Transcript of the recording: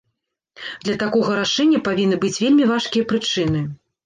Для такога рашэння павінны быць вельмі важкія прычыны.